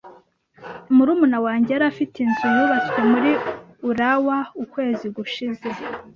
Murumuna wanjye yari afite inzu yubatswe muri Urawa ukwezi gushize.